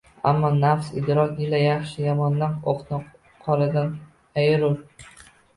Ammo nafs idrok ila yaxshini yomondan, oqni qoradan ayirur